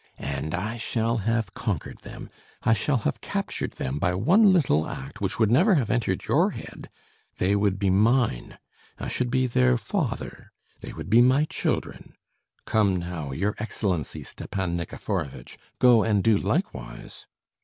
And I shall have conquered them; I shall have captured them by one little act which would never have entered your head; they would be mine; I should be their father, they would be my children.... Come now, your Excellency Stepan Nikiforovitch, go and do likewise....